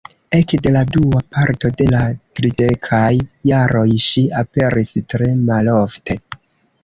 Ekde la dua parto de la tridekaj jaroj ŝi aperis tre malofte.